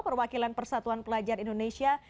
perwakilan persatuan pelajar indonesia